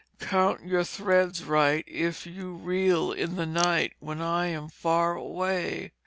Count your threads right If you reel in the night When I am far away.